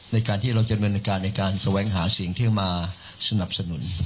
ในการที่เราจำนวนในการสว้างหาสิ่งที่มาสนับสนุน